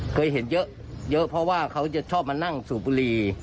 เคยเห็นเยอะเยอะเพราะว่าเขาจะชอบมานั่งสูบบุรี